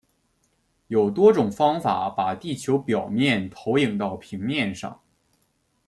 有多种方法把地球表面投影到平面上。